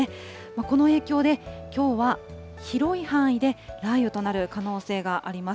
この影響で、きょうは広い範囲で雷雨となる可能性があります。